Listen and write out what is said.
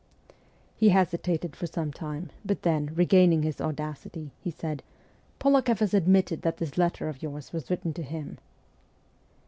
He hesitated for some time, but then, regaining his audacity, he said, ' Polak6ff has admitted that this letter of yours was written to him.'